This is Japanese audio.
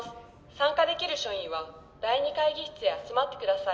参加できる署員は第２会議室へ集まってください。